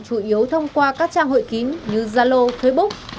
chủ yếu thông qua các trang hội kín như zalo facebook